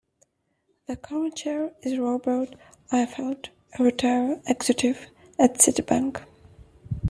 The current chair is Robert Eichfeld, a retired executive at Citibank.